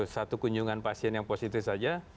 satu kunjungan pasien yang positif saja